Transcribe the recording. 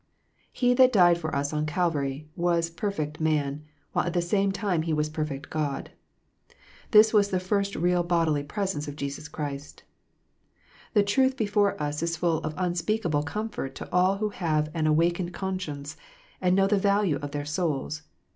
He that died for us on Calvary was perfect man, while at the same time He was perfect God. This was the first real bodily presence of Jesus Christ. The truth before us is full of unspeakable comfort to all who have an awakened conscience, and know the value of their souls.